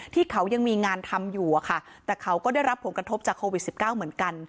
ที่เขายังมีงานทำอยู่อะค่ะแต่เขาก็ได้รับผลกระทบจากโควิด๑๙เหมือนกัน